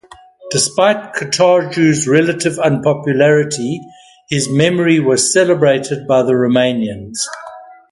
Despite Catargiu's relative unpopularity, his memory was celebrated by the Romanians.